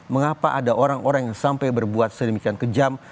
mengapa ada orang orang yang sampai berbuat sedemikian kejam